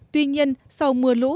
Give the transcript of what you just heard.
tuy nhiên đất đá ập xuống bất cứ lúc nào